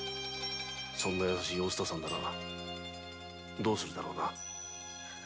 そんな優しいお蔦さんならどうするだろうな。